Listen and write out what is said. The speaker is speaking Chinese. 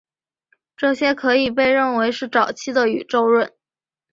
这些可以被认为是早期的宇宙论。